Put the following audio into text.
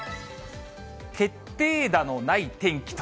決定打のない天気と。